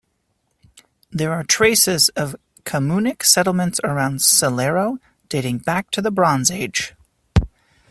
There are traces of Camunnic settlements around Sellero, dating back to the Bronze Age.